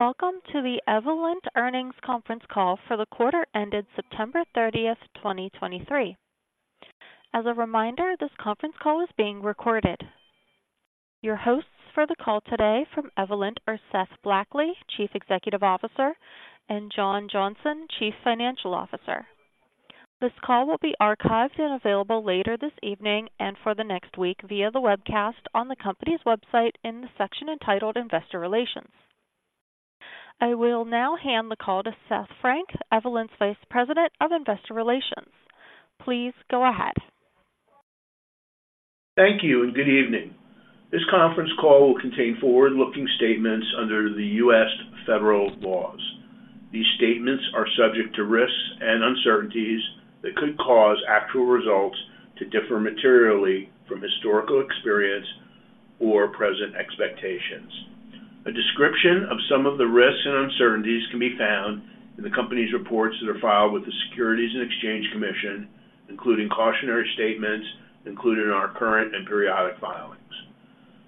Welcome to the Evolent Earnings Conference Call for the quarter ended September 30, 2023. As a reminder, this conference call is being recorded. Your hosts for the call today from Evolent are Seth Blackley, Chief Executive Officer, and John Johnson, Chief Financial Officer. This call will be archived and available later this evening and for the next week via the webcast on the company's website in the section entitled Investor Relations. I will now hand the call to Seth Frank, Evolent's Vice President of Investor Relations. Please go ahead. Thank you, and good evening. This conference call will contain forward-looking statements under the U.S. federal laws. These statements are subject to risks and uncertainties that could cause actual results to differ materially from historical experience or present expectations. A description of some of the risks and uncertainties can be found in the company's reports that are filed with the Securities and Exchange Commission, including cautionary statements included in our current and periodic filings.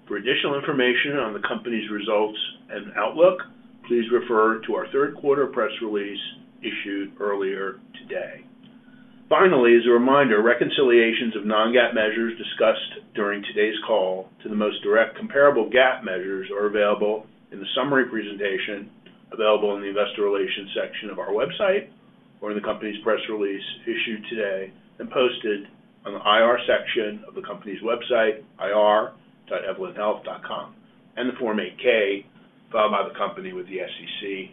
For additional information on the company's results and outlook, please refer to our third quarter press release issued earlier today. Finally, as a reminder, reconciliations of non-GAAP measures discussed during today's call to the most direct comparable GAAP measures are available in the summary presentation available in the Investor Relations section of our website, or in the company's press release issued today and posted on the IR section of the company's website, ir.evolenthealth.com, and the Form 8-K filed by the company with the SEC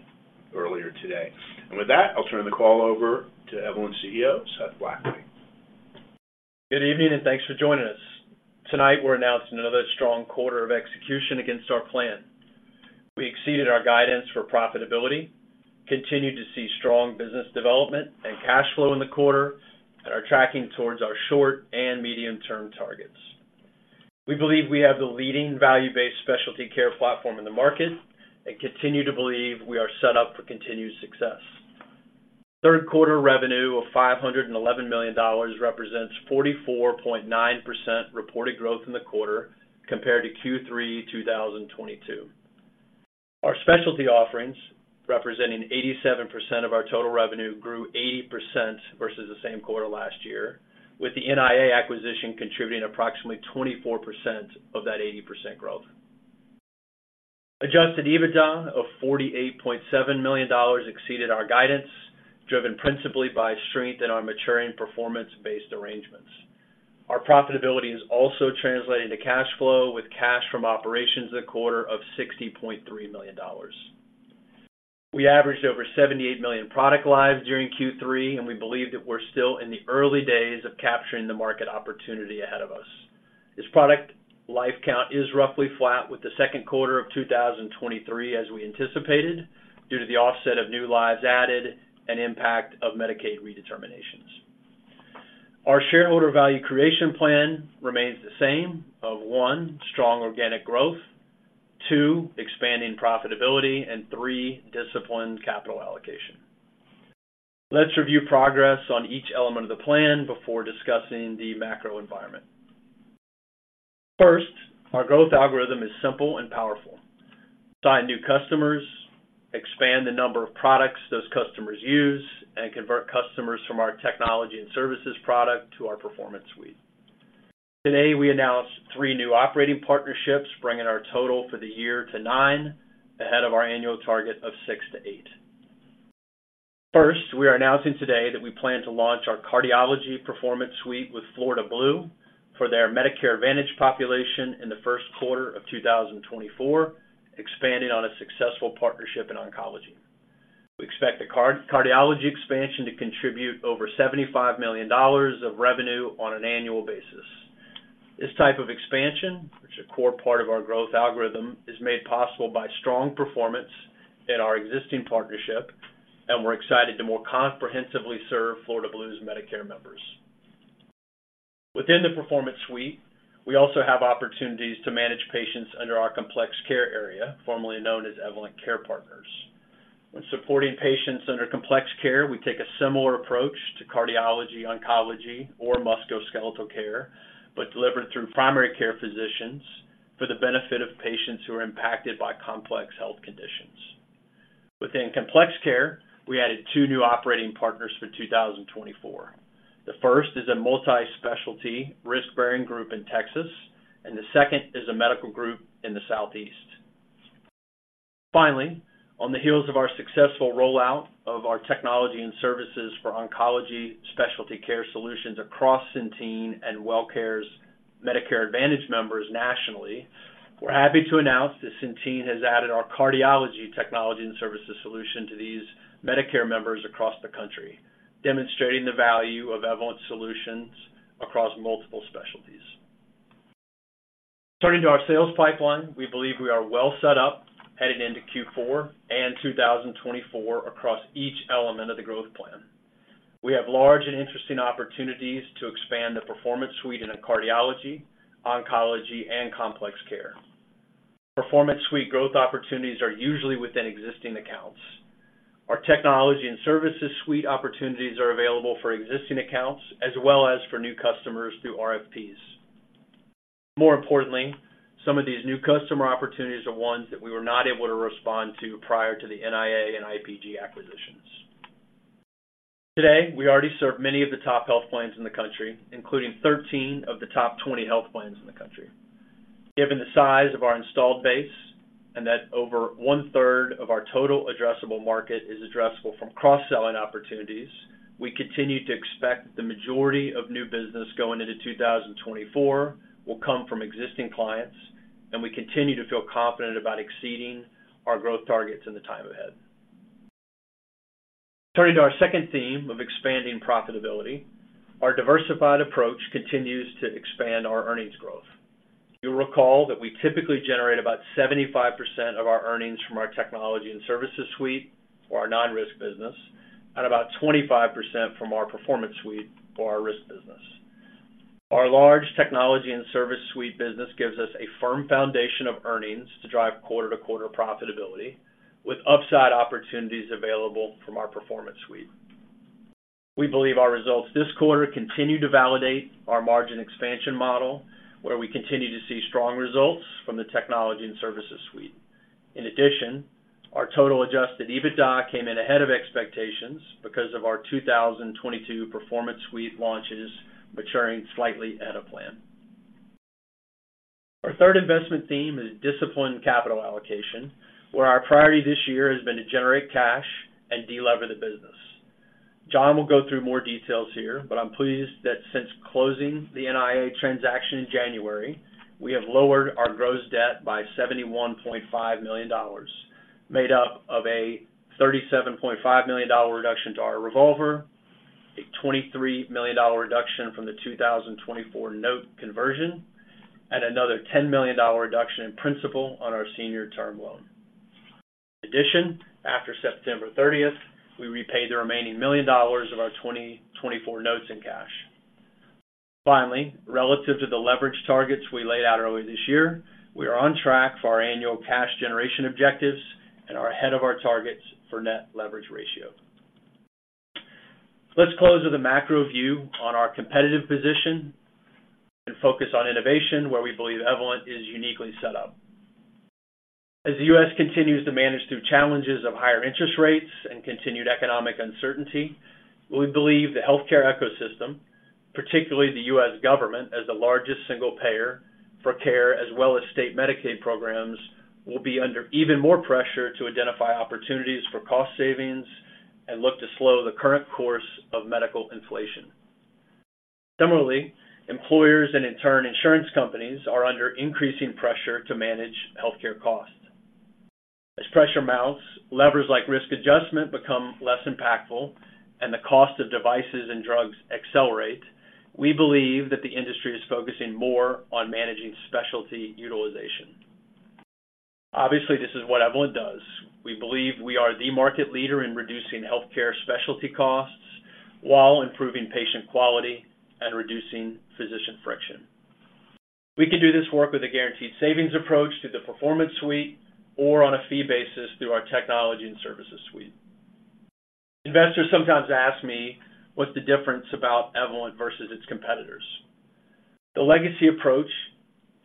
earlier today. And with that, I'll turn the call over to Evolent CEO, Seth Blackley. Good evening, and thanks for joining us. Tonight, we're announcing another strong quarter of execution against our plan. We exceeded our guidance for profitability, continued to see strong business development and cash flow in the quarter, and are tracking towards our short and medium-term targets. We believe we have the leading value-based specialty care platform in the market, and continue to believe we are set up for continued success. Third quarter revenue of $511 million represents 44.9% reported growth in the quarter compared to Q3 2022. Our specialty offerings, representing 87% of our total revenue, grew 80% versus the same quarter last year, with the NIA acquisition contributing approximately 24% of that 80% growth. Adjusted EBITDA of $48.7 million exceeded our guidance, driven principally by strength in our maturing performance-based arrangements. Our profitability is also translating to cash flow, with cash from operations in the quarter of $60.3 million. We averaged over 78 million product lives during Q3, and we believe that we're still in the early days of capturing the market opportunity ahead of us. This product life count is roughly flat with the second quarter of 2023, as we anticipated, due to the offset of new lives added and impact of Medicaid redeterminations. Our shareholder value creation plan remains the same of 1, strong organic growth, 2, expanding profitability, and 3, disciplined capital allocation. Let's review progress on each element of the plan before discussing the macro environment. First, our growth algorithm is simple and powerful. Sign new customers, expand the number of products those customers use, and convert customers from our technology and services product to our performance suite. Today, we announced 3 new operating partnerships, bringing our total for the year to 9, ahead of our annual target of 6-8. First, we are announcing today that we plan to launch our cardiology Performance Suite with Florida Blue for their Medicare Advantage population in the first quarter of 2024, expanding on a successful partnership in oncology. We expect the cardiology expansion to contribute over $75 million of revenue on an annual basis. This type of expansion, which is a core part of our growth algorithm, is made possible by strong performance in our existing partnership, and we're excited to more comprehensively serve Florida Blue's Medicare members. Within the Performance Suite, we also have opportunities to manage patients under our complex care area, formerly known as Evolent Care Partners. When supporting patients under complex care, we take a similar approach to cardiology, oncology, or musculoskeletal care, but delivered through primary care physicians for the benefit of patients who are impacted by complex health conditions. Within complex care, we added two new operating partners for 2024. The first is a multi-specialty risk-bearing group in Texas, and the second is a medical group in the Southeast. Finally, on the heels of our successful rollout of our technology and services for oncology specialty care solutions across Centene and WellCare's Medicare Advantage members nationally, we're happy to announce that Centene has added our cardiology technology and services solution to these Medicare members across the country, demonstrating the value of Evolent solutions across multiple specialties. Turning to our sales pipeline, we believe we are well set up headed into Q4 and 2024 across each element of the growth plan. We have large and interesting opportunities to expand the Performance Suite into cardiology, oncology, and complex care. Performance Suite growth opportunities are usually within existing accounts. Our Technology and Services Suite opportunities are available for existing accounts as well as for new customers through RFPs. More importantly, some of these new customer opportunities are ones that we were not able to respond to prior to the NIA and IPG acquisitions. Today, we already serve many of the top health plans in the country, including 13 of the top 20 health plans in the country. Given the size of our installed base, and that over one-third of our total addressable market is addressable from cross-selling opportunities, we continue to expect the majority of new business going into 2024 will come from existing clients, and we continue to feel confident about exceeding our growth targets in the time ahead. Turning to our second theme of expanding profitability, our diversified approach continues to expand our earnings growth. You'll recall that we typically generate about 75% of our earnings from our Technology and Services Suite, or our non-risk business, and about 25% from our Performance Suite or our risk business. Our large Technology and Services Suite business gives us a firm foundation of earnings to drive quarter-to-quarter profitability, with upside opportunities available from our Performance Suite. We believe our results this quarter continue to validate our margin expansion model, where we continue to see strong results from the Technology and Services Suite. In addition, our total Adjusted EBITDA came in ahead of expectations because of our 2022 Performance Suite launches maturing slightly ahead of plan. Our third investment theme is disciplined capital allocation, where our priority this year has been to generate cash and delever the business. John will go through more details here, but I'm pleased that since closing the NIA transaction in January, we have lowered our gross debt by $71.5 million, made up of a $37.5 million reduction to our revolver, a $23 million reduction from the 2024 note conversion, and another $10 million reduction in principal on our senior term loan. In addition, after September 30th, we repaid the remaining $1 million of our 2024 notes in cash. Finally, relative to the leverage targets we laid out earlier this year, we are on track for our annual cash generation objectives and are ahead of our targets for Net Leverage Ratio. Let's close with a macro view on our competitive position and focus on innovation, where we believe Evolent is uniquely set up. As the U.S. continues to manage through challenges of higher interest rates and continued economic uncertainty, we believe the healthcare ecosystem, particularly the U.S. government, as the largest single payer for care as well as state Medicaid programs, will be under even more pressure to identify opportunities for cost savings and look to slow the current course of medical inflation. Similarly, employers and, in turn, insurance companies are under increasing pressure to manage healthcare costs. As pressure mounts, levers like risk adjustment become less impactful, and the cost of devices and drugs accelerate, we believe that the industry is focusing more on managing specialty utilization. Obviously, this is what Evolent does. We believe we are the market leader in reducing healthcare specialty costs while improving patient quality and reducing physician friction. We can do this work with a guaranteed savings approach to the Performance Suite or on a fee basis through our Technology and Services Suite. Investors sometimes ask me, what's the difference about Evolent versus its competitors? The legacy approach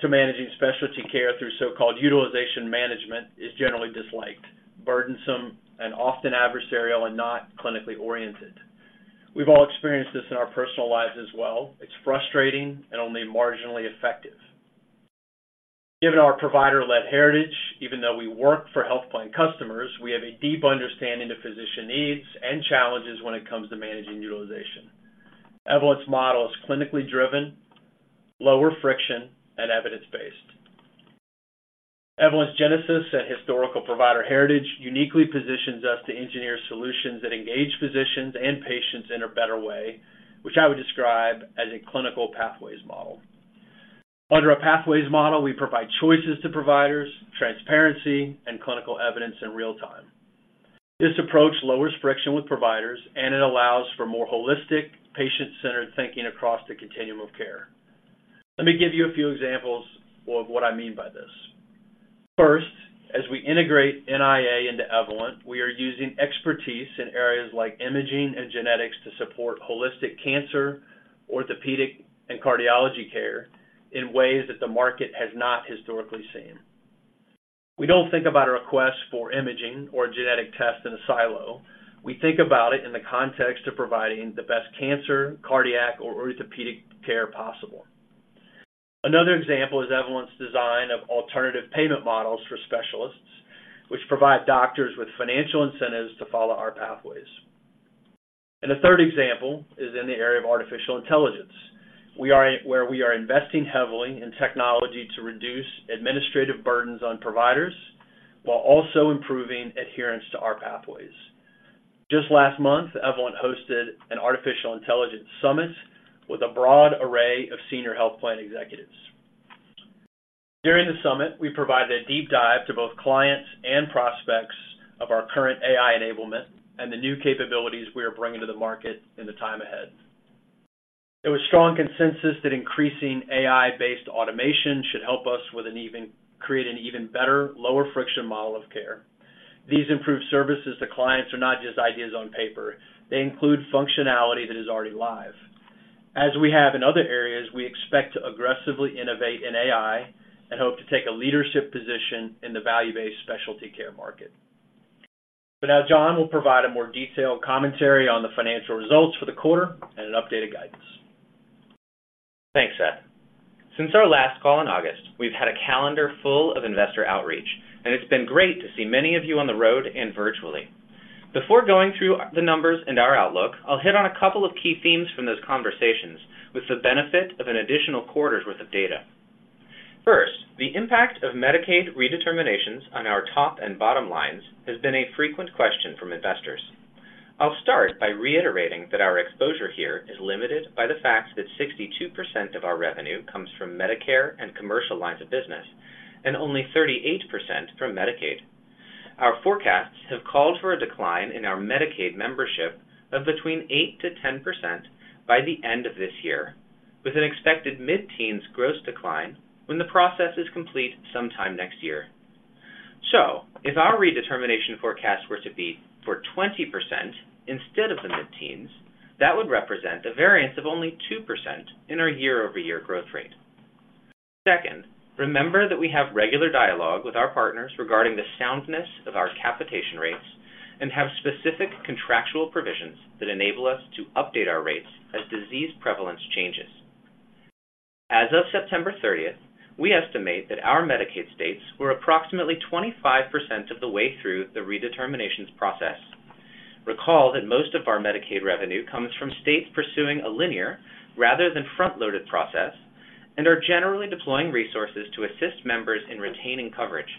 to managing specialty care through so-called utilization management is generally disliked, burdensome, and often adversarial and not clinically oriented. We've all experienced this in our personal lives as well. It's frustrating and only marginally effective. Given our provider-led heritage, even though we work for health plan customers, we have a deep understanding of physician needs and challenges when it comes to managing utilization. Evolent's model is clinically driven, lower friction, and evidence-based. Evolent's genesis and historical provider heritage uniquely positions us to engineer solutions that engage physicians and patients in a better way, which I would describe as a clinical pathways model. Under a pathways model, we provide choices to providers, transparency, and clinical evidence in real time. This approach lowers friction with providers, and it allows for more holistic, patient-centered thinking across the continuum of care. Let me give you a few examples of what I mean by this. First, as we integrate NIA into Evolent, we are using expertise in areas like imaging and genetics to support holistic cancer, orthopedic, and cardiology care in ways that the market has not historically seen. We don't think about a request for imaging or genetic test in a silo. We think about it in the context of providing the best cancer, cardiac, or orthopedic care possible. Another example is Evolent's design of alternative payment models for specialists, which provide doctors with financial incentives to follow our pathways. And a third example is in the area of artificial intelligence where we are investing heavily in technology to reduce administrative burdens on providers while also improving adherence to our pathways. Just last month, Evolent hosted an artificial intelligence summit with a broad array of senior health plan executives. During the summit, we provided a deep dive to both clients and prospects of our current AI enablement and the new capabilities we are bringing to the market in the time ahead. It was strong consensus that increasing AI-based automation should help us with an even... Create an even better, lower friction model of care.... These improved services to clients are not just ideas on paper. They include functionality that is already live. As we have in other areas, we expect to aggressively innovate in AI and hope to take a leadership position in the value-based specialty care market. So now, John will provide a more detailed commentary on the financial results for the quarter and an updated guidance. Thanks, Seth. Since our last call in August, we've had a calendar full of investor outreach, and it's been great to see many of you on the road and virtually. Before going through the numbers and our outlook, I'll hit on a couple of key themes from those conversations with the benefit of an additional quarter's worth of data. First, the impact of Medicaid redeterminations on our top and bottom lines has been a frequent question from investors. I'll start by reiterating that our exposure here is limited by the fact that 62% of our revenue comes from Medicare and commercial lines of business and only 38% from Medicaid. Our forecasts have called for a decline in our Medicaid membership of between 8%-10% by the end of this year, with an expected mid-teens gross decline when the process is complete sometime next year. So if our redetermination forecast were to be for 20% instead of the mid-teens, that would represent a variance of only 2% in our year-over-year growth rate. Second, remember that we have regular dialogue with our partners regarding the soundness of our capitation rates and have specific contractual provisions that enable us to update our rates as disease prevalence changes. As of September 30th, we estimate that our Medicaid states were approximately 25% of the way through the redeterminations process. Recall that most of our Medicaid revenue comes from states pursuing a linear rather than front-loaded process and are generally deploying resources to assist members in retaining coverage.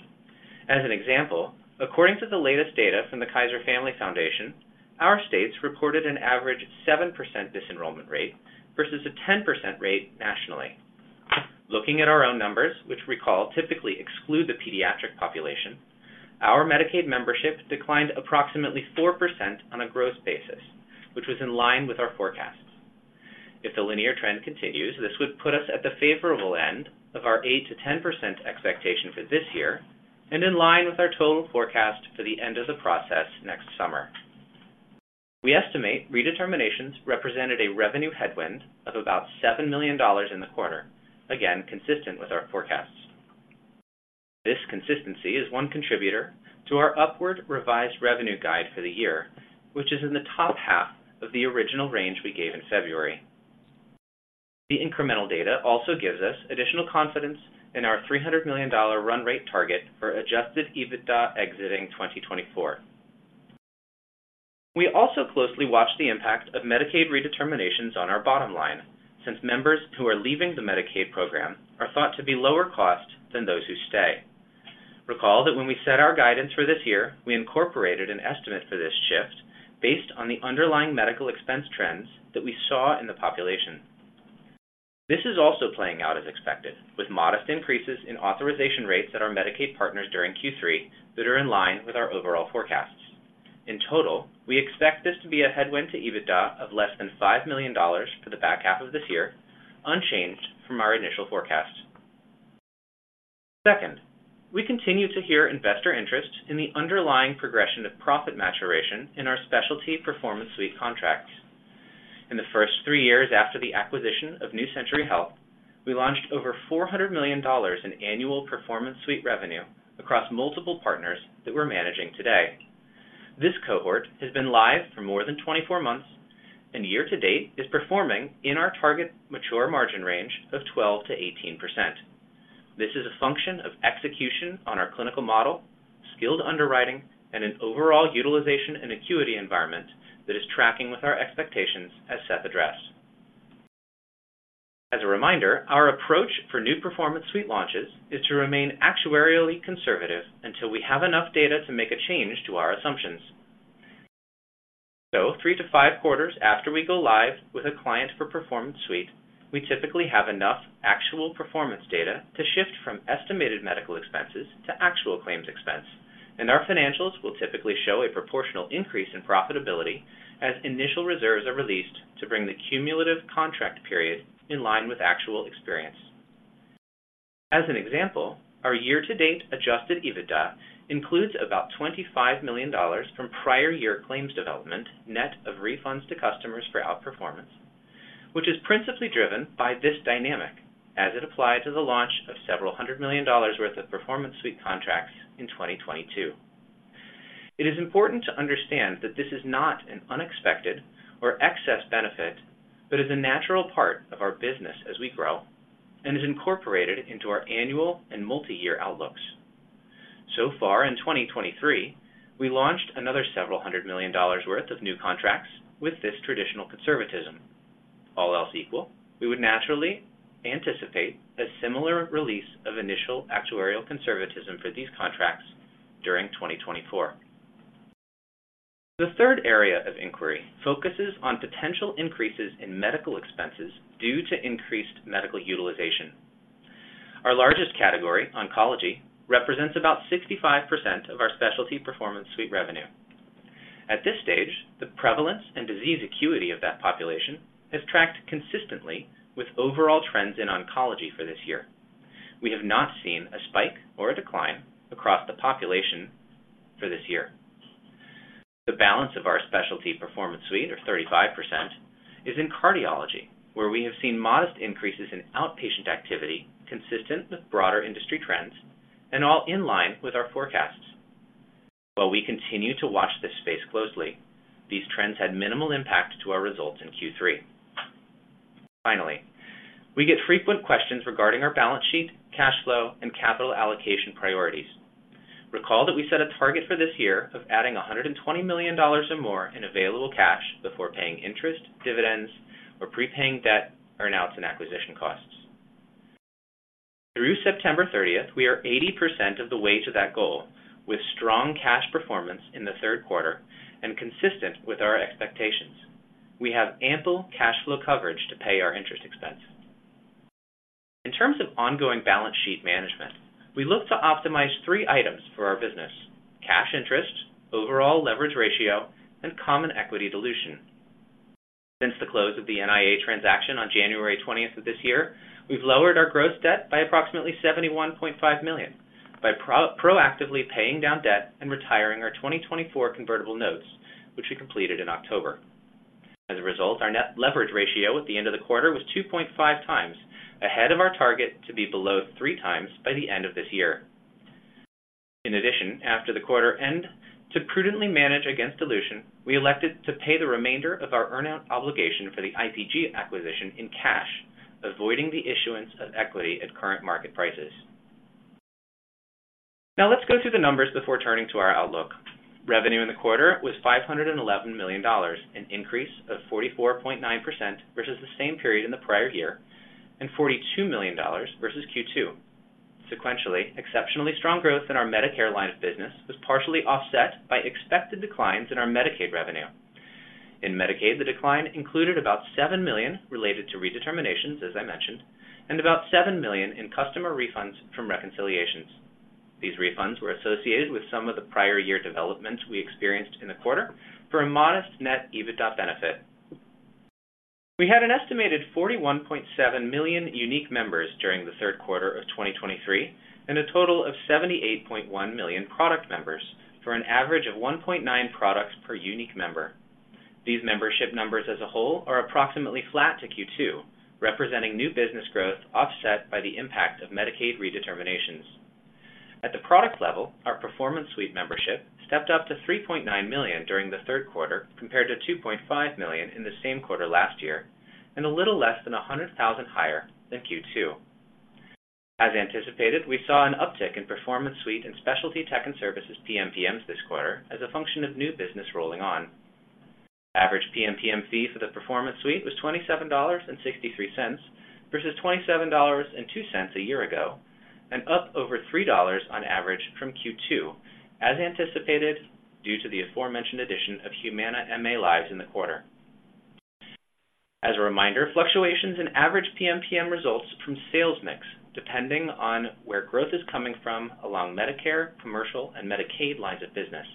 As an example, according to the latest data from the Kaiser Family Foundation, our states reported an average 7% disenrollment rate versus a 10% rate nationally. Looking at our own numbers, which recall typically exclude the pediatric population, our Medicaid membership declined approximately 4% on a gross basis, which was in line with our forecasts. If the linear trend continues, this would put us at the favorable end of our 8%-10% expectation for this year and in line with our total forecast for the end of the process next summer. We estimate redeterminations represented a revenue headwind of about $7 million in the quarter, again, consistent with our forecasts. This consistency is one contributor to our upward revised revenue guide for the year, which is in the top half of the original range we gave in February. The incremental data also gives us additional confidence in our $300 million run rate target for Adjusted EBITDA exiting 2024. We also closely watch the impact of Medicaid redeterminations on our bottom line, since members who are leaving the Medicaid program are thought to be lower cost than those who stay. Recall that when we set our guidance for this year, we incorporated an estimate for this shift based on the underlying medical expense trends that we saw in the population. This is also playing out as expected, with modest increases in authorization rates at our Medicaid partners during Q3 that are in line with our overall forecasts. In total, we expect this to be a headwind to EBITDA of less than $5 million for the back half of this year, unchanged from our initial forecast. Second, we continue to hear investor interest in the underlying progression of profit maturation in our Specialty Performance Suite contracts. In the first 3 years after the acquisition of New Century Health, we launched over $400 million in annual Performance Suite revenue across multiple partners that we're managing today. This cohort has been live for more than 24 months and year to date is performing in our target mature margin range of 12%-18%. This is a function of execution on our clinical model, skilled underwriting, and an overall utilization and acuity environment that is tracking with our expectations as Seth addressed. As a reminder, our approach for new Performance Suite launches is to remain actuarially conservative until we have enough data to make a change to our assumptions. Three to 5 quarters after we go live with a client for Performance Suite, we typically have enough actual performance data to shift from estimated medical expenses to actual claims expense, and our financials will typically show a proportional increase in profitability as initial reserves are released to bring the cumulative contract period in line with actual experience. As an example, our year-to-date Adjusted EBITDA includes about $25 million from prior year claims development, net of refunds to customers for outperformance, which is principally driven by this dynamic as it applied to the launch of $several hundred million worth of Performance Suite contracts in 2022. It is important to understand that this is not an unexpected or excess benefit, but is a natural part of our business as we grow and is incorporated into our annual and multi-year outlooks. So far in 2023, we launched another several hundred million dollars worth of new contracts with this traditional conservatism. All else equal, we would naturally anticipate a similar release of initial actuarial conservatism for these contracts during 2024. The third area of inquiry focuses on potential increases in medical expenses due to increased medical utilization. Our largest category, oncology, represents about 65% of our Performance Suite revenue. At this stage, the prevalence and disease acuity of that population has tracked consistently with overall trends in oncology for this year. We have not seen a spike or a decline across the population for this year. The balance of our Performance Suite, or 35%, is in cardiology, where we have seen modest increases in outpatient activity consistent with broader industry trends and all in line with our forecasts. While we continue to watch this space closely, these trends had minimal impact to our results in Q3. Finally, we get frequent questions regarding our balance sheet, cash flow, and capital allocation priorities. Recall that we set a target for this year of adding $120 million or more in available cash before paying interest, dividends, or prepaying debt, earnouts, and acquisition costs. Through September 30th, we are 80% of the way to that goal, with strong cash performance in the third quarter and consistent with our expectations. We have ample cash flow coverage to pay our interest expense. In terms of ongoing balance sheet management, we look to optimize three items for our business: cash interest, overall leverage ratio, and common equity dilution. Since the close of the NIA transaction on January 20th of this year, we've lowered our gross debt by approximately $71.5 million by proactively paying down debt and retiring our 2024 convertible notes, which we completed in October. As a result, our net leverage ratio at the end of the quarter was 2.5 times, ahead of our target to be below 3 times by the end of this year. In addition, after the quarter end, to prudently manage against dilution, we elected to pay the remainder of our earnout obligation for the IPG acquisition in cash, avoiding the issuance of equity at current market prices. Now, let's go through the numbers before turning to our outlook. Revenue in the quarter was $511 million, an increase of 44.9% versus the same period in the prior year, and $42 million versus Q2. Sequentially, exceptionally strong growth in our Medicare line of business was partially offset by expected declines in our Medicaid revenue. In Medicaid, the decline included about $7 million related to redeterminations, as I mentioned, and about $7 million in customer refunds from reconciliations. These refunds were associated with some of the prior year developments we experienced in the quarter for a modest net EBITDA benefit. We had an estimated 41.7 million unique members during the third quarter of 2023, and a total of 78.1 million product members, for an average of 1.9 products per unique member. These membership numbers as a whole are approximately flat to Q2, representing new business growth, offset by the impact of Medicaid redeterminations. At the product level, our Performance Suite membership stepped up to 3.9 million during the third quarter, compared to 2.5 million in the same quarter last year, and a little less than 100,000 higher than Q2. As anticipated, we saw an uptick in Performance Suite and specialty Tech and Services PMPMs this quarter as a function of new business rolling on. Average PMPM fee for the Performance Suite was $27.63, versus $27.02 a year ago, and up over $3 on average from Q2, as anticipated, due to the aforementioned addition of Humana MA lives in the quarter. As a reminder, fluctuations in average PMPM results from sales mix, depending on where growth is coming from along Medicare, commercial, and Medicaid lines of business,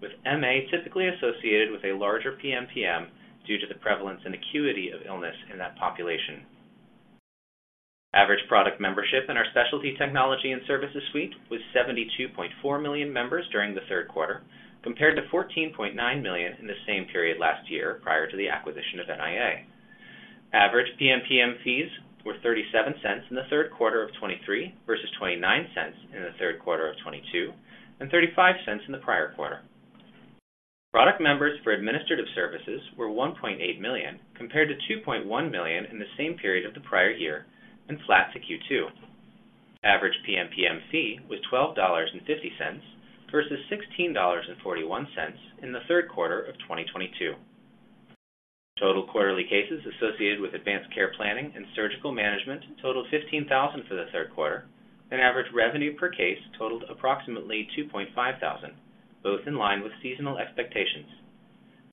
with MA typically associated with a larger PMPM due to the prevalence and acuity of illness in that population. Average product membership in our specialty Technology and Services Suite was 72.4 million members during the third quarter, compared to 14.9 million in the same period last year, prior to the acquisition of NIA. Average PMPM fees were $0.37 in the third quarter of 2023, versus $0.29 in the third quarter of 2022, and $0.35 in the prior quarter. Product members for administrative services were 1.8 million, compared to 2.1 million in the same period of the prior year and flat to Q2. Average PMPM fee was $12.50, versus $16.41 in the third quarter of 2022. Total quarterly cases associated with advanced care planning and surgical management totaled 15,000 for the third quarter, and average revenue per case totaled approximately $2,500, both in line with seasonal expectations.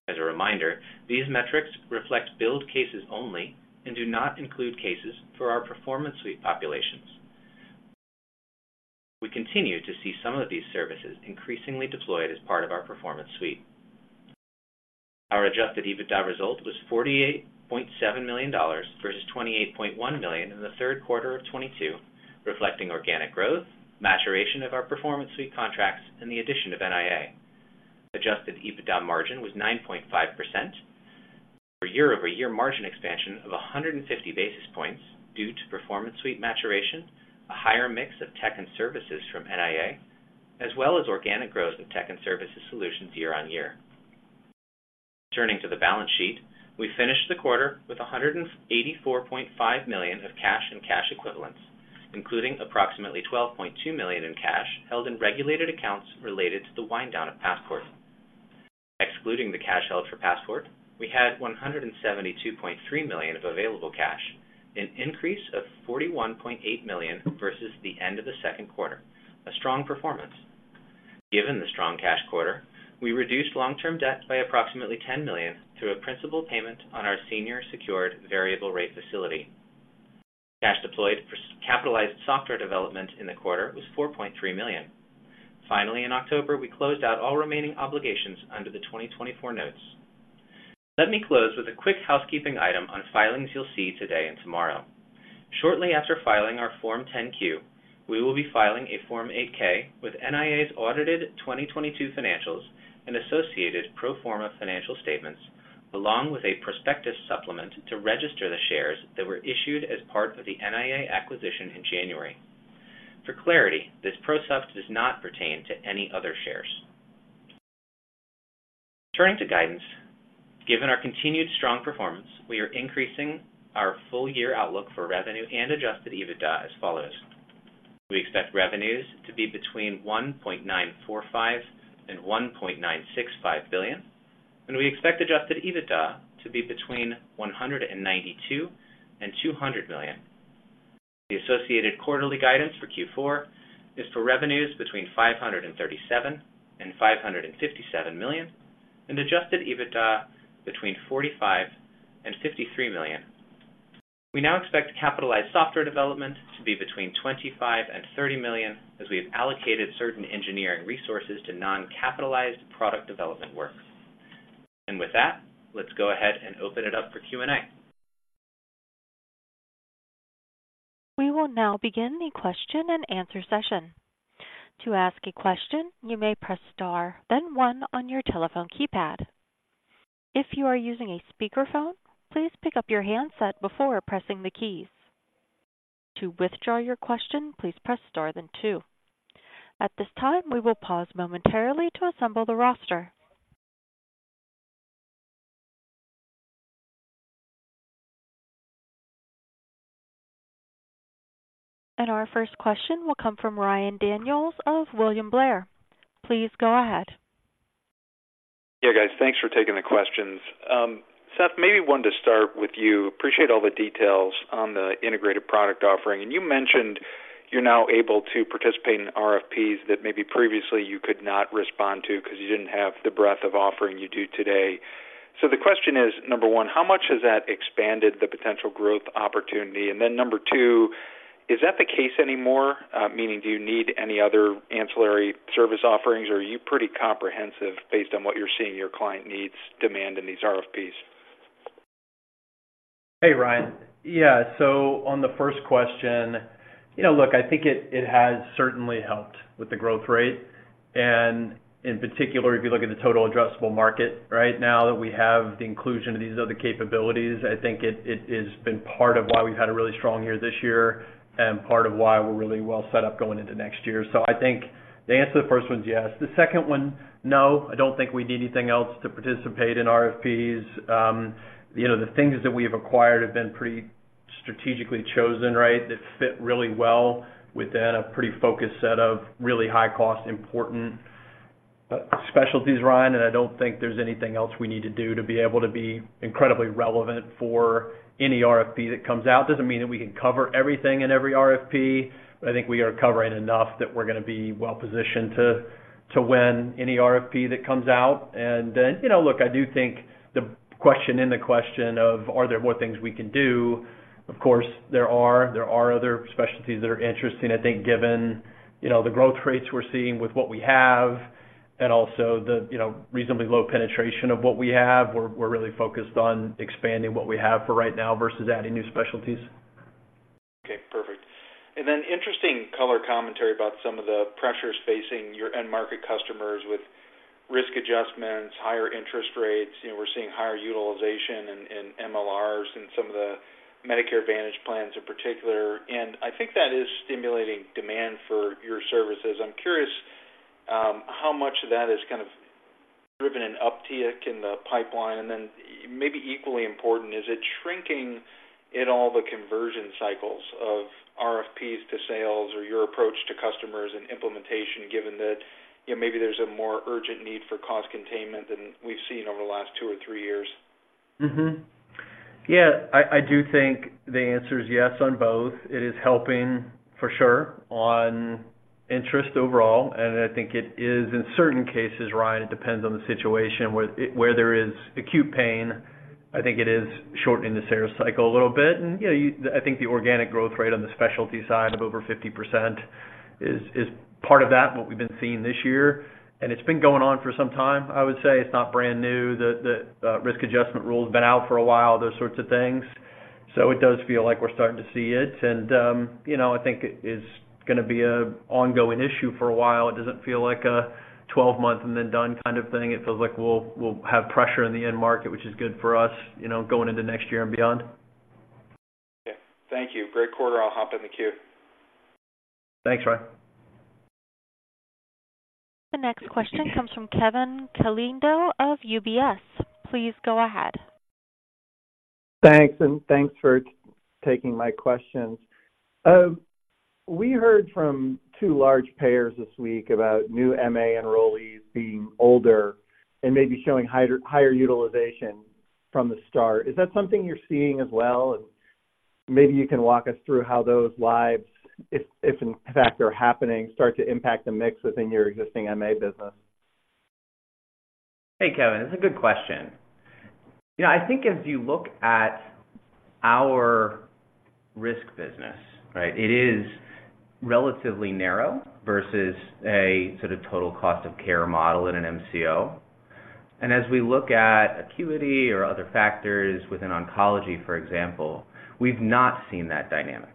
As a reminder, these metrics reflect billed cases only and do not include cases for our Performance Suite populations. We continue to see some of these services increasingly deployed as part of our Performance Suite. Our Adjusted EBITDA result was $48.7 million versus $28.1 million in the third quarter of 2022, reflecting organic growth, maturation of our Performance Suite contracts, and the addition of NIA. Adjusted EBITDA margin was 9.5%, for year-over-year margin expansion of 150 basis points due to Performance Suite maturation, a higher mix of tech and services from NIA, as well as organic growth in tech and services solutions year-over-year. Turning to the balance sheet, we finished the quarter with $184.5 million of cash and cash equivalents, including approximately $12.2 million in cash held in regulated accounts related to the wind down of Passport. Excluding the cash held for Passport, we had $172.3 million of available cash, an increase of $41.8 million versus the end of the second quarter, a strong performance. Given the strong cash quarter, we reduced long-term debt by approximately $10 million through a principal payment on our senior secured variable rate facility. ...Cash deployed for capitalized software development in the quarter was $4.3 million. Finally, in October, we closed out all remaining obligations under the 2024 notes. Let me close with a quick housekeeping item on filings you'll see today and tomorrow. Shortly after filing our Form 10-Q, we will be filing a Form 8-K with NIA's audited 2022 financials and associated pro forma financial statements, along with a prospectus supplement to register the shares that were issued as part of the NIA acquisition in January. For clarity, this prospectus does not pertain to any other shares. Turning to guidance, given our continued strong performance, we are increasing our full year outlook for revenue and Adjusted EBITDA as follows: We expect revenues to be between $1.945 billion-$1.965 billion, and we expect Adjusted EBITDA to be between $192 million-$200 million. The associated quarterly guidance for Q4 is for revenues between $537 million-$557 million, and Adjusted EBITDA between $45 million-$53 million. We now expect capitalized software development to be between $25 million-$30 million, as we have allocated certain engineering resources to non-capitalized product development work. With that, let's go ahead and open it up for Q&A. We will now begin the question and answer session. To ask a question, you may press Star, then one on your telephone keypad. If you are using a speakerphone, please pick up your handset before pressing the keys. To withdraw your question, please press Star then two. At this time, we will pause momentarily to assemble the roster. Our first question will come from Ryan Daniels of William Blair. Please go ahead. Yeah, guys, thanks for taking the questions. Seth, maybe wanted to start with you. Appreciate all the details on the integrated product offering. And you mentioned you're now able to participate in RFPs that maybe previously you could not respond to because you didn't have the breadth of offering you do today. So the question is, number one, how much has that expanded the potential growth opportunity? And then number two, is that the case anymore? Meaning, do you need any other ancillary service offerings, or are you pretty comprehensive based on what you're seeing your client needs demand in these RFPs? Hey, Ryan. Yeah, so on the first question, you know, look, I think it, it has certainly helped with the growth rate. And in particular, if you look at the total addressable market, right now that we have the inclusion of these other capabilities, I think it, it has been part of why we've had a really strong year this year and part of why we're really well set up going into next year. So I think the answer to the first one is yes. The second one, no, I don't think we need anything else to participate in RFPs. You know, the things that we have acquired have been pretty strategically chosen, right? That fit really well within a pretty focused set of really high cost, important specialties, Ryan, and I don't think there's anything else we need to do to be able to be incredibly relevant for any RFP that comes out. Doesn't mean that we can cover everything in every RFP, but I think we are covering enough that we're going to be well positioned to win any RFP that comes out. And then, you know, look, I do think the question of are there more things we can do? Of course, there are. There are other specialties that are interesting. I think given, you know, the growth rates we're seeing with what we have and also the, you know, reasonably low penetration of what we have, we're really focused on expanding what we have for right now versus adding new specialties. Okay, perfect. And then interesting color commentary about some of the pressures facing your end-market customers with risk adjustments, higher interest rates. You know, we're seeing higher utilization in, in MLRs and some of the Medicare Advantage plans in particular, and I think that is stimulating demand for your services. I'm curious, how much of that is kind of driven an uptick in the pipeline? And then, maybe equally important, is it shrinking in all the conversion cycles of RFPs to sales or your approach to customers and implementation, given that, you know, maybe there's a more urgent need for cost containment than we've seen over the last two or three years? Mm-hmm. Yeah, I do think the answer is yes on both. It is helping, for sure, on interest overall, and I think it is in certain cases, Ryan. It depends on the situation. Where there is acute pain, I think it is shortening the sales cycle a little bit. And, you know, I think the organic growth rate on the specialty side of over 50% is, is part of that, what we've been seeing this year, and it's been going on for some time. I would say it's not brand new. The risk adjustment rule has been out for a while, those sorts of things. So it does feel like we're starting to see it and, you know, I think it's gonna be an ongoing issue for a while. It doesn't feel like a 12-month and then done kind of thing. It feels like we'll have pressure in the end market, which is good for us, you know, going into next year and beyond. Okay. Thank you. Great quarter. I'll hop in the queue. Thanks, Ryan. The next question comes from Kevin Caliendo of UBS. Please go ahead. Thanks, and thanks for taking my questions. We heard from two large payers this week about new MA enrollees being older and maybe showing higher, higher utilization from the start. Is that something you're seeing as well? And maybe you can walk us through how those lives, if, if in fact, they're happening, start to impact the mix within your existing MA business.... Hey, Kevin, it's a good question. You know, I think as you look at our risk business, right, it is relatively narrow versus a sort of total cost of care model in an MCO. And as we look at acuity or other factors within oncology, for example, we've not seen that dynamic.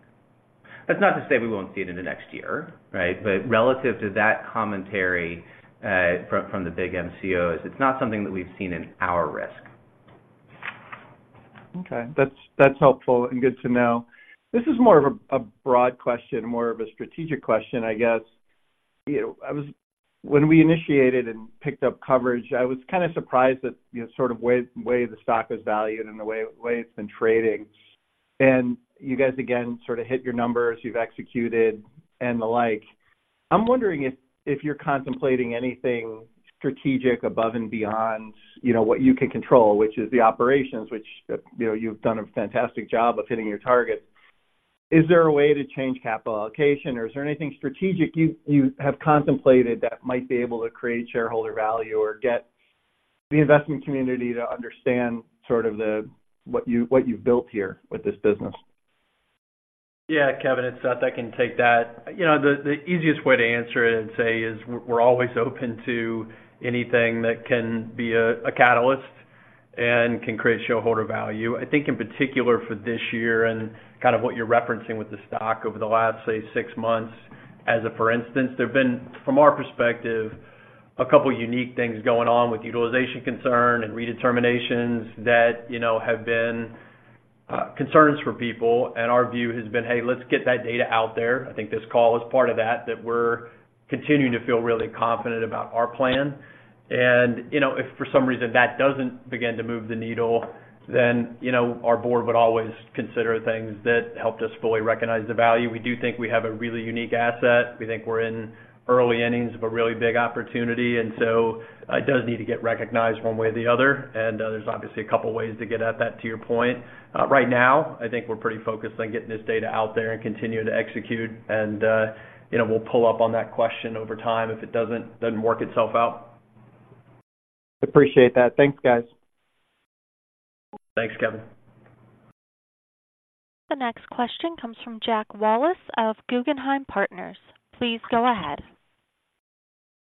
That's not to say we won't see it in the next year, right? But relative to that commentary, from the big MCOs, it's not something that we've seen in our risk. Okay. That's helpful and good to know. This is more of a broad question, more of a strategic question, I guess. You know, I was, when we initiated and picked up coverage, I was kind of surprised that, you know, sort of the way the stock is valued and the way it's been trading. And you guys, again, sort of hit your numbers, you've executed, and the like. I'm wondering if you're contemplating anything strategic above and beyond, you know, what you can control, which is the operations, which, you know, you've done a fantastic job of hitting your targets. Is there a way to change capital allocation, or is there anything strategic you have contemplated that might be able to create shareholder value or get the investment community to understand sort of the what you've built here with this business? Yeah, Kevin, it's Seth. I can take that. You know, the easiest way to answer it and say is, we're always open to anything that can be a catalyst and can create shareholder value. I think, in particular, for this year and kind of what you're referencing with the stock over the last, say, six months, as of, for instance, there have been, from our perspective, a couple unique things going on with utilization concern and redeterminations that, you know, have been, concerns for people, and our view has been, "Hey, let's get that data out there." I think this call is part of that, we're continuing to feel really confident about our plan. And, you know, if for some reason that doesn't begin to move the needle, then, you know, our board would always consider things that helped us fully recognize the value. We do think we have a really unique asset. We think we're in early innings of a really big opportunity, and so it does need to get recognized one way or the other, and, there's obviously a couple of ways to get at that, to your point. Right now, I think we're pretty focused on getting this data out there and continuing to execute, and, you know, we'll pull up on that question over time if it doesn't, doesn't work itself out. Appreciate that. Thanks, guys. Thanks, Kevin. The next question comes from Jack Wallace of Guggenheim Partners. Please go ahead.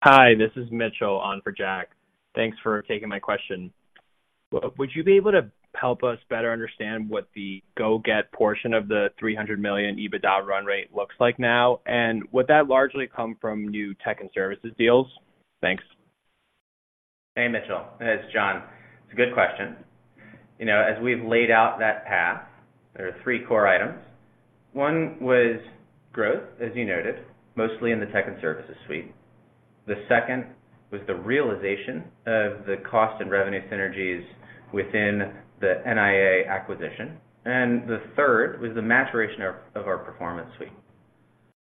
Hi, this is Mitchell on for Jack. Thanks for taking my question. Would you be able to help us better understand what the go get portion of the $300 million EBITDA run rate looks like now? And would that largely come from new tech and services deals? Thanks. Hey, Mitchell, it's John. It's a good question. You know, as we've laid out that path, there are three core items. One was growth, as you noted, mostly in the tech and services suite. The second was the realization of the cost and revenue synergies within the NIA acquisition, and the third was the maturation of our performance suite.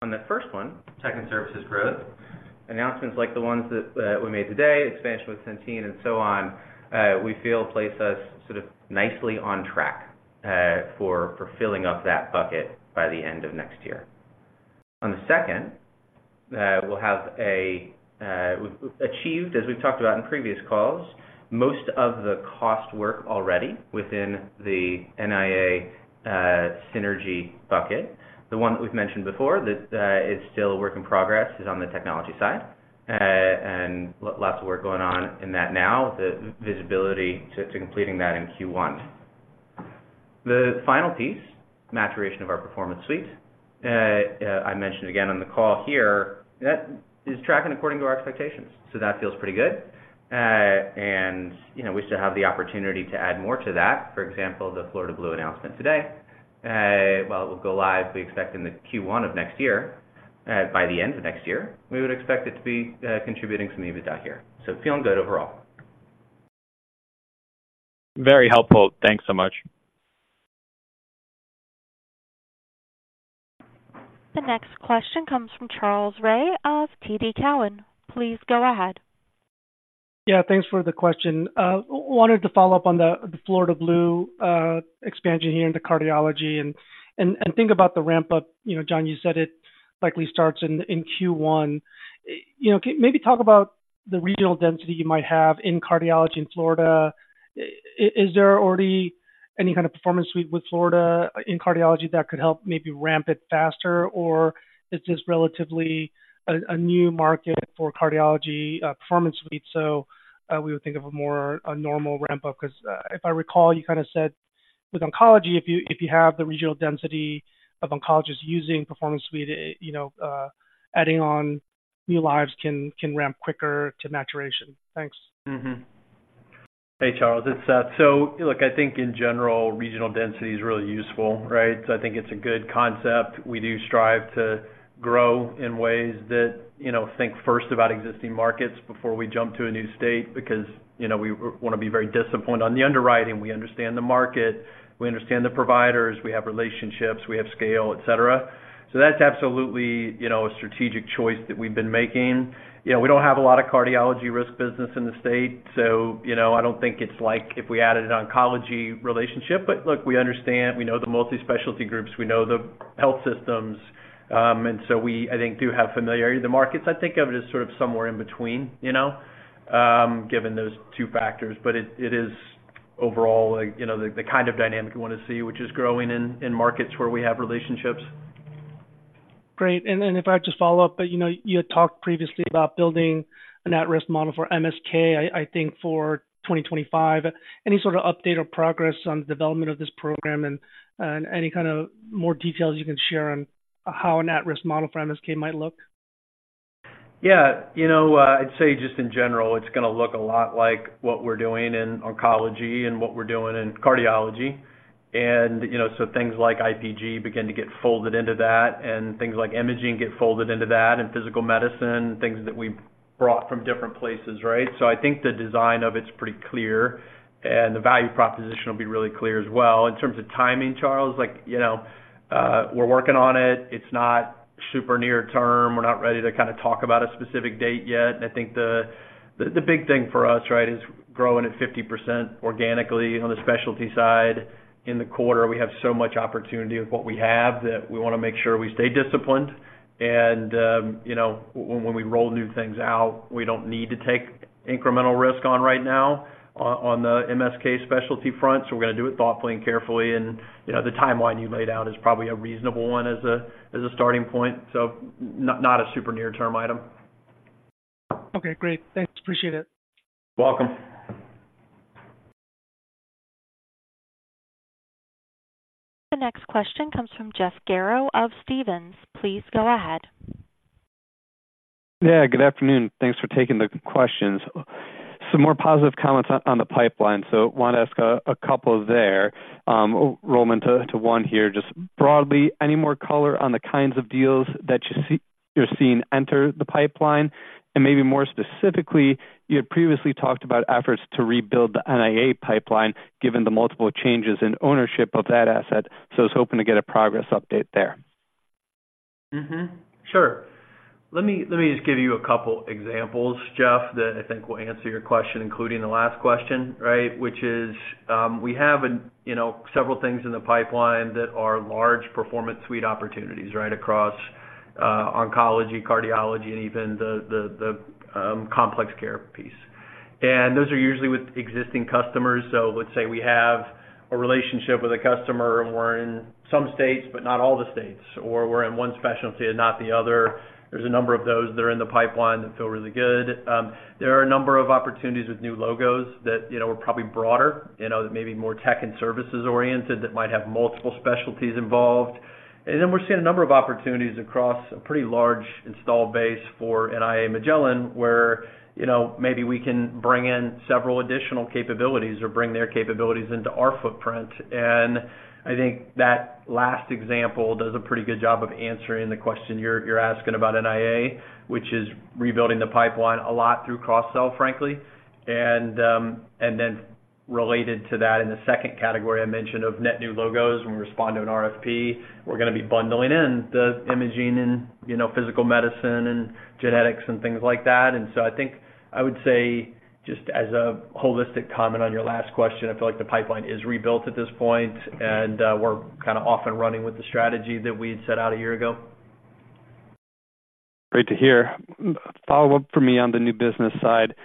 On the first one, tech and services growth, announcements like the ones that we made today, expansion with Centene and so on, we feel place us sort of nicely on track for filling up that bucket by the end of next year. On the second, we'll have a, we've achieved, as we've talked about in previous calls, most of the cost work already within the NIA synergy bucket. The one that we've mentioned before, that, is still a work in progress, is on the technology side, and lots of work going on in that now, the visibility to completing that in Q1. The final piece, maturation of our Performance Suite, I mentioned again on the call here, that is tracking according to our expectations, so that feels pretty good. And, you know, we still have the opportunity to add more to that. For example, the Florida Blue announcement today, while it will go live, we expect in the Q1 of next year, by the end of next year, we would expect it to be contributing some EBITDA here. So feeling good overall. Very helpful. Thanks so much. The next question comes from Charles Rhyee of TD Cowen. Please go ahead. Yeah, thanks for the question. Wanted to follow up on the Florida Blue expansion here into cardiology and think about the ramp-up. You know, John, you said it likely starts in Q1. You know, maybe talk about the regional density you might have in cardiology in Florida. Is there already any kind of Performance Suite with Florida Blue in cardiology that could help maybe ramp it faster? Or is this relatively a new market for cardiology Performance Suite, so we would think of a more normal ramp-up? Because, if I recall, you kind of said with oncology, if you have the regional density of oncologists using Performance Suite, it, you know, adding on new lives can ramp quicker to maturation. Thanks. Mm-hmm. Hey, Charles, it's Seth. So look, I think in general, regional density is really useful, right? So I think it's a good concept. We do strive to grow in ways that, you know, think first about existing markets before we jump to a new state, because, you know, we wanna be very disciplined on the underwriting. We understand the market, we understand the providers, we have relationships, we have scale, et cetera. So that's absolutely, you know, a strategic choice that we've been making. You know, we don't have a lot of cardiology risk business in the state, so you know, I don't think it's like if we added an oncology relationship. But look, we understand, we know the multi-specialty groups, we know the health systems, and so we, I think, do have familiarity in the markets. I think of it as sort of somewhere in between, you know, given those two factors. But it is overall, you know, the kind of dynamic we want to see, which is growing in markets where we have relationships. Great. Then if I just follow up, you know, you had talked previously about building an at-risk model for MSK. I think, for 2025. Any sort of update or progress on the development of this program and any kind of more details you can share on how an at-risk model for MSK might look? Yeah, you know, I'd say just in general, it's gonna look a lot like what we're doing in oncology and what we're doing in cardiology. And, you know, so things like IPG begin to get folded into that, and things like imaging get folded into that, and physical medicine, things that we've brought from different places, right? So I think the design of it is pretty clear, and the value proposition will be really clear as well. In terms of timing, Charles, like, you know, we're working on it. It's not super near term. We're not ready to kind of talk about a specific date yet. I think the, the, the big thing for us, right, is growing at 50% organically on the specialty side. In the quarter, we have so much opportunity with what we have that we wanna make sure we stay disciplined. You know, when we roll new things out, we don't need to take incremental risk on right now on the MSK specialty front. So we're gonna do it thoughtfully and carefully. And, you know, the timeline you laid out is probably a reasonable one as a starting point, so not a super near-term item. Okay, great. Thanks. Appreciate it. Welcome. The next question comes from Jeff Garro of Stephens. Please go ahead. Yeah, good afternoon. Thanks for taking the questions. Some more positive comments on the pipeline. So want to ask a couple there. Roll them into one here, just broadly, any more color on the kinds of deals that you're seeing enter the pipeline? And maybe more specifically, you had previously talked about efforts to rebuild the NIA pipeline, given the multiple changes in ownership of that asset. So I was hoping to get a progress update there. Mm-hmm. Sure. Let me just give you a couple examples, Jeff, that I think will answer your question, including the last question, right? Which is, we have, you know, several things in the pipeline that are large Performance Suite opportunities, right, across, oncology, cardiology, and even the complex care piece. And those are usually with existing customers. So let's say we have a relationship with a customer, and we're in some states, but not all the states, or we're in one specialty and not the other. There's a number of those that are in the pipeline that feel really good. There are a number of opportunities with new logos that, you know, are probably broader, you know, that may be more tech and services-oriented, that might have multiple specialties involved. And then we're seeing a number of opportunities across a pretty large installed base for NIA Magellan, where, you know, maybe we can bring in several additional capabilities or bring their capabilities into our footprint. And I think that last example does a pretty good job of answering the question you're asking about NIA, which is rebuilding the pipeline a lot through cross-sell, frankly. And, and then related to that, in the second category I mentioned of net new logos, when we respond to an RFP, we're gonna be bundling in the imaging and, you know, physical medicine and genetics and things like that. And so I think I would say, just as a holistic comment on your last question, I feel like the pipeline is rebuilt at this point, and we're kind of off and running with the strategy that we had set out a year ago. Great to hear. Follow up for me on the new business side,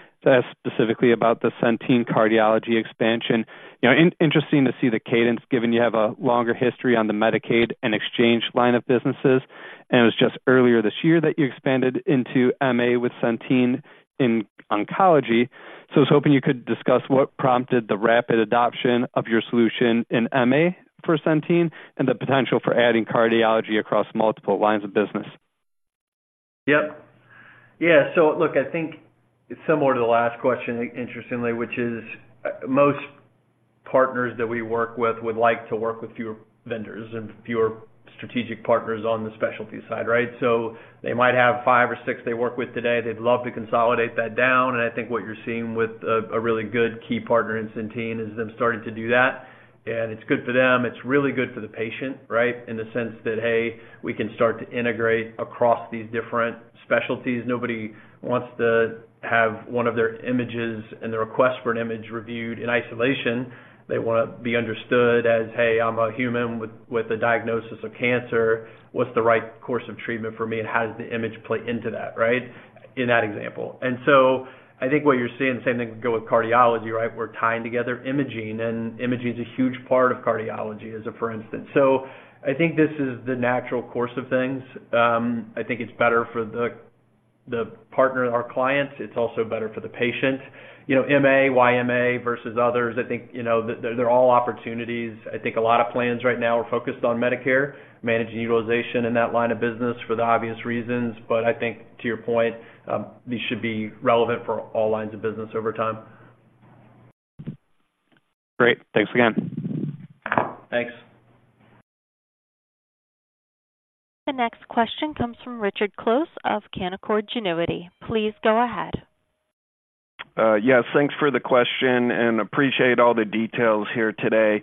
specifically about the Centene cardiology expansion. You know, interesting to see the cadence, given you have a longer history on the Medicaid and exchange line of businesses, and it was just earlier this year that you expanded into MA with Centene in oncology. So I was hoping you could discuss what prompted the rapid adoption of your solution in MA for Centene and the potential for adding cardiology across multiple lines of business? Yep. Yeah, so look, I think it's similar to the last question, interestingly, which is, most partners that we work with would like to work with fewer vendors and fewer strategic partners on the specialty side, right? So they might have five or six they work with today. They'd love to consolidate that down, and I think what you're seeing with a really good key partner in Centene is them starting to do that. And it's good for them. It's really good for the patient, right? In the sense that, hey, we can start to integrate across these different specialties. Nobody wants to have one of their images and the request for an image reviewed in isolation. They want to be understood as, "Hey, I'm a human with a diagnosis of cancer. What's the right course of treatment for me, and how does the image play into that," right? In that example. And so I think what you're seeing, same thing could go with cardiology, right? We're tying together imaging, and imaging is a huge part of cardiology as a for instance. So I think this is the natural course of things. I think it's better for the, the partner, our clients. It's also better for the patient. You know, MA, YMA versus others, I think, you know, they're, they're all opportunities. I think a lot of plans right now are focused on Medicare, managing utilization in that line of business for the obvious reasons. But I think to your point, these should be relevant for all lines of business over time. Great. Thanks again. Thanks. The next question comes from Richard Close of Canaccord Genuity. Please go ahead. Yes, thanks for the question and appreciate all the details here today.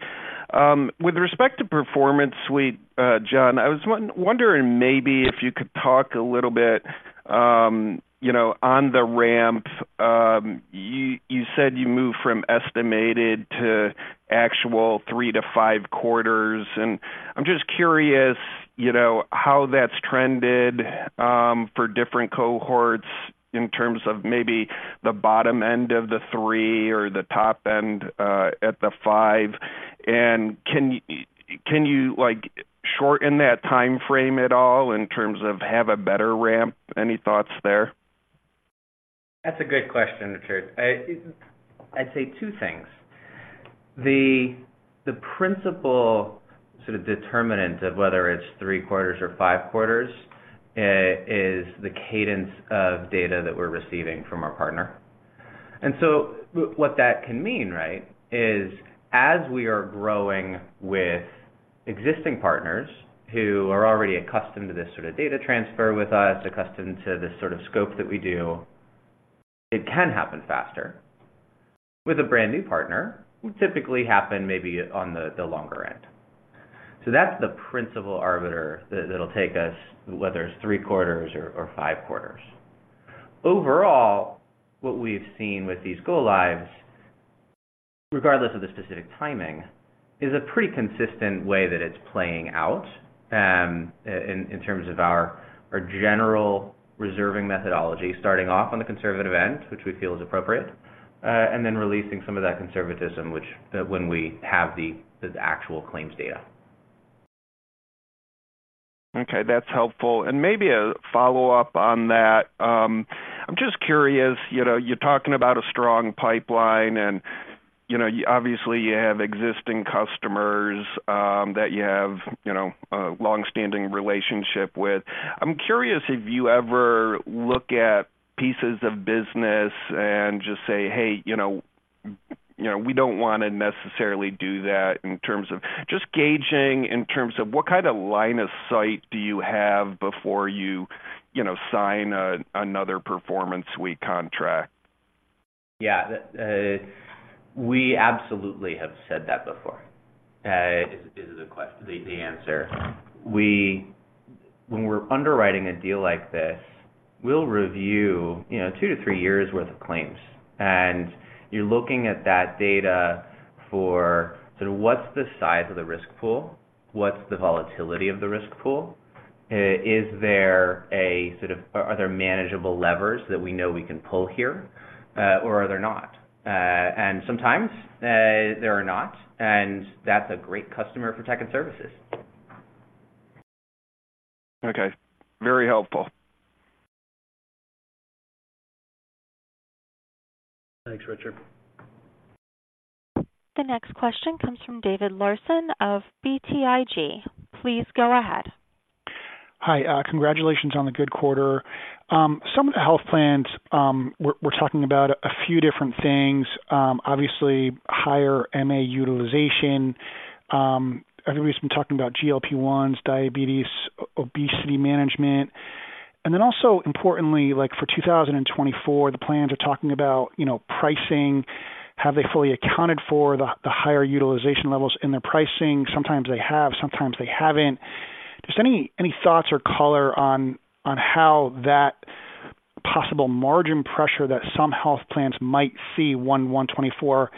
With respect to Performance Suite, John, I was wondering maybe if you could talk a little bit, you know, on the ramp. You said you moved from estimated to actual 3-5 quarters, and I'm just curious, you know, how that's trended for different cohorts in terms of maybe the bottom end of the 3 or the top end at the 5. And can you like shorten that time frame at all in terms of have a better ramp? Any thoughts there? That's a good question, Richard. I'd say two things. The principal sort of determinant of whether it's three quarters or five quarters is the cadence of data that we're receiving from our partner. And so what that can mean, right, is as we are growing with existing partners who are already accustomed to this sort of data transfer with us, accustomed to this sort of scope that we do, it can happen faster. With a brand new partner, it would typically happen maybe on the longer end. So that's the principal arbiter that'll take us, whether it's three quarters or five quarters. Overall, what we've seen with these go-lives, regardless of the specific timing, is a pretty consistent way that it's playing out in terms of our general reserving methodology, starting off on the conservative end, which we feel is appropriate, and then releasing some of that conservatism, which when we have the actual claims data. Okay, that's helpful. And maybe a follow-up on that. I'm just curious, you know, you're talking about a strong pipeline and, you know, obviously, you have existing customers, that you have, you know, a long-standing relationship with. I'm curious if you ever look at pieces of business and just say, "Hey, you know, you know, we don't want to necessarily do that," in terms of just gauging, in terms of what kind of line of sight do you have before you, you know, sign a, another Performance Suite contract? Yeah. We absolutely have said that before, is the question, the answer. When we're underwriting a deal like this, we'll review, you know, 2-3 years' worth of claims, and you're looking at that data for sort of what's the size of the risk pool? What's the volatility of the risk pool? Is there a sort of— Are there manageable levers that we know we can pull here, or are there not? And sometimes, there are not, and that's a great customer for Tech and Services. Okay, very helpful. Thanks, Richard. The next question comes from David Larson of BTIG. Please go ahead. Hi, congratulations on the good quarter. Some of the health plans, we're, we're talking about a few different things. Obviously, higher MA utilization. Everybody's been talking about GLP-1, diabetes, obesity management, and then also importantly, like for 2024, the plans are talking about, you know, pricing. Have they fully accounted for the, the higher utilization levels in their pricing? Sometimes they have, sometimes they haven't. Just any, any thoughts or color on, on how that possible margin pressure that some health plans might see on 2024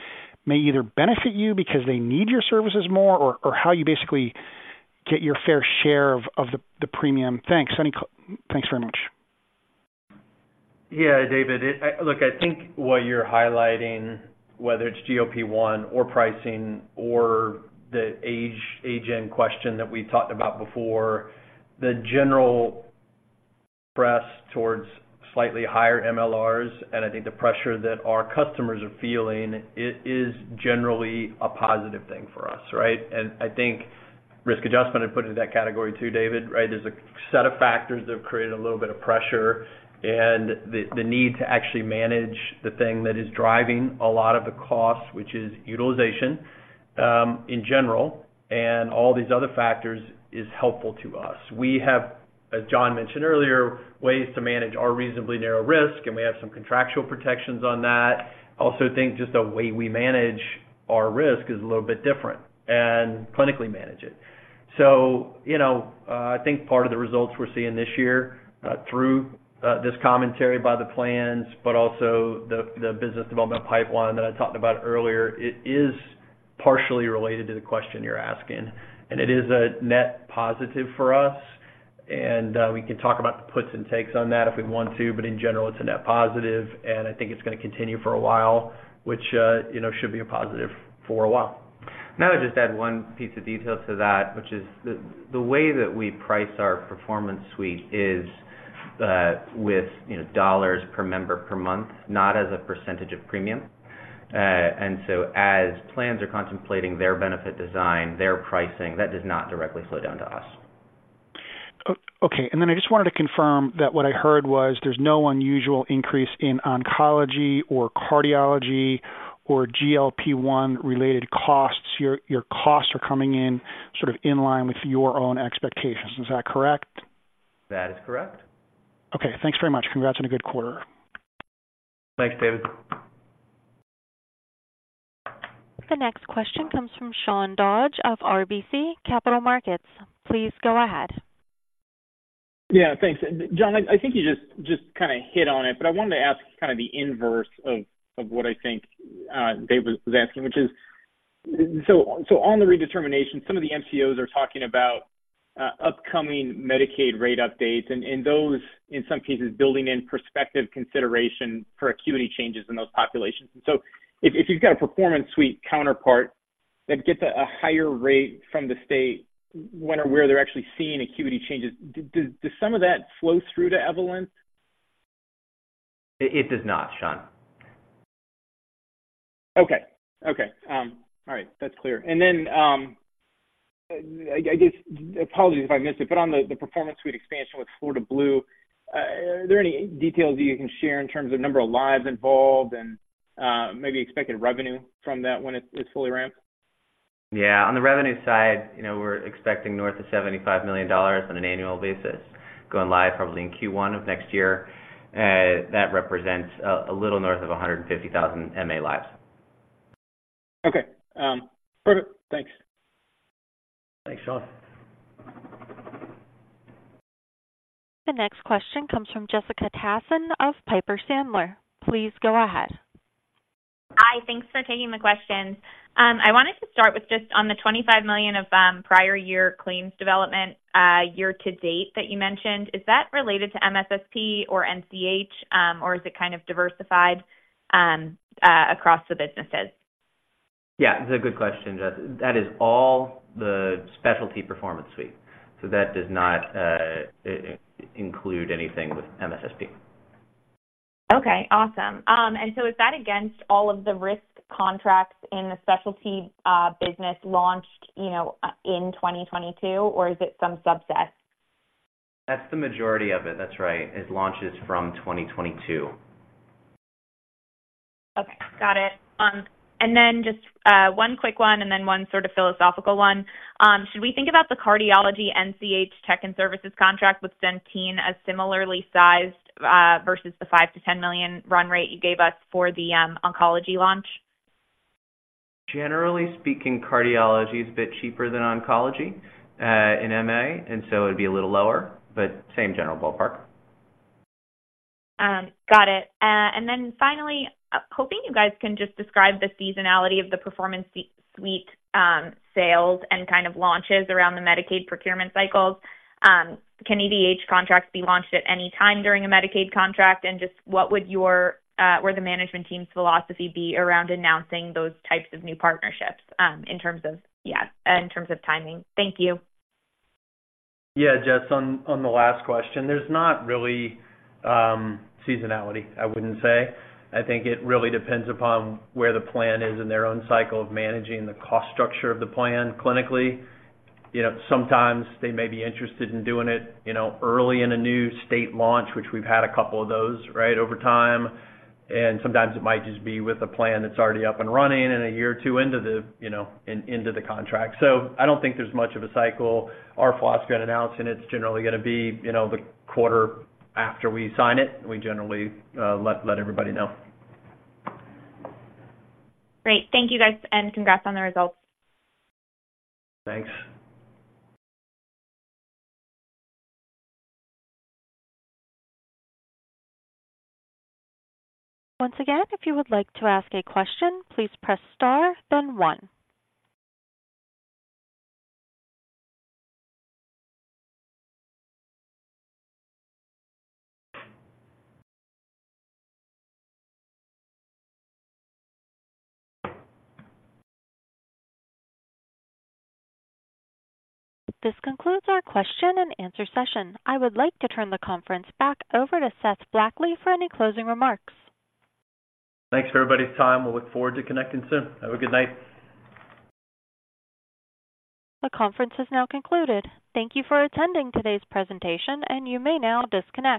may either benefit you because they need your services more, or, or how you basically get your fair share of, of the, the premium. Thanks. Any...? Thanks very much. Yeah, David, it. Look, I think what you're highlighting, whether it's GLP-1 or pricing or the aging question that we talked about before, the general press towards slightly higher MLRs, and I think the pressure that our customers are feeling, it is generally a positive thing for us, right? And I think risk adjustment, I'd put into that category too, David, right? There's a set of factors that have created a little bit of pressure and the need to actually manage the thing that is driving a lot of the costs, which is utilization, in general, and all these other factors, is helpful to us. We have, as John mentioned earlier, ways to manage our reasonably narrow risk, and we have some contractual protections on that. I also think just the way we manage our risk is a little bit different and clinically manage it. So, you know, I think part of the results we're seeing this year, through this commentary by the plans, but also the business development pipeline that I talked about earlier, it is partially related to the question you're asking, and it is a net positive for us, and we can talk about the puts and takes on that if we want to, but in general, it's a net positive, and I think it's going to continue for a while, which you know should be a positive for a while. And I'll just add one piece of detail to that, which is the way that we price our Performance Suite is, with, you know, dollars per member per month, not as a percentage of premium. And so as plans are contemplating their benefit design, their pricing, that does not directly flow down to us. Okay, and then I just wanted to confirm that what I heard was there's no unusual increase in oncology or cardiology or GLP-1 related costs. Your costs are coming in sort of in line with your own expectations. Is that correct? That is correct. Okay, thanks very much. Congrats on a good quarter. Thanks, David. The next question comes from Sean Dodge of RBC Capital Markets. Please go ahead.... Yeah, thanks. And John, I think you just kind of hit on it, but I wanted to ask kind of the inverse of what I think Dave was asking, which is: so on the redetermination, some of the MCOs are talking about upcoming Medicaid rate updates, and those, in some cases, building in prospective consideration for acuity changes in those populations. And so if you've got a Performance Suite counterpart that gets a higher rate from the state when or where they're actually seeing acuity changes, does some of that flow through to Evolent? It does not, Sean. Okay. Okay, all right, that's clear. And then, I guess, apologies if I missed it, but on the Performance Suite expansion with Florida Blue, are there any details that you can share in terms of number of lives involved and maybe expected revenue from that when it's fully ramped? Yeah. On the revenue side, you know, we're expecting north of $75 million on an annual basis, going live probably in Q1 of next year. That represents a little north of 150,000 MA lives. Okay. Perfect. Thanks. Thanks, Sean. The next question comes from Jessica Tassin of Piper Sandler. Please go ahead. Hi. Thanks for taking the question. I wanted to start with just on the $25 million of prior year claims development, year to date that you mentioned. Is that related to MSSP or NCH, or is it kind of diversified, across the businesses? Yeah, that's a good question, Jess. That is all the specialty Performance Suite. So that does not include anything with MSSP. Okay, awesome. And so is that against all of the risk contracts in the specialty business launched, you know, in 2022, or is it some subset? That's the majority of it. That's right. It launches from 2022. Okay, got it. Then just, one quick one, and then one sort of philosophical one. Should we think about the cardiology NCH tech and services contract with Centene as similarly sized, versus the $5 million-$10 million run rate you gave us for the, oncology launch? Generally speaking, cardiology is a bit cheaper than oncology in MA, and so it'd be a little lower, but same general ballpark. Got it. And then finally, hoping you guys can just describe the seasonality of the Performance Suite, sales and kind of launches around the Medicaid procurement cycles. Can EDH contracts be launched at any time during a Medicaid contract? And just what would your, or the management team's philosophy be around announcing those types of new partnerships, in terms of yeah, in terms of timing? Thank you. Yeah, Jess, on the last question, there's not really seasonality, I wouldn't say. I think it really depends upon where the plan is in their own cycle of managing the cost structure of the plan clinically. You know, sometimes they may be interested in doing it, you know, early in a new state launch, which we've had a couple of those, right, over time, and sometimes it might just be with a plan that's already up and running and a year or two into the, you know, in, into the contract. So I don't think there's much of a cycle. Our philosophy on announcing it is generally gonna be, you know, the quarter after we sign it, we generally let everybody know. Great. Thank you, guys, and congrats on the results. Thanks. Once again, if you would like to ask a question, please press star, then one. This concludes our question and answer session. I would like to turn the conference back over to Seth Blackley for any closing remarks. Thanks for everybody's time. We'll look forward to connecting soon. Have a good night. The conference has now concluded. Thank you for attending today's presentation, and you may now disconnect.